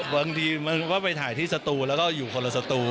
บางทีมันก็ไปถ่ายที่สตูแล้วก็อยู่คนละสตู